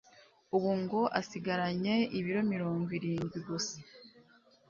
Ubu ngo asigaranye ibiro mirongwiringwi gusa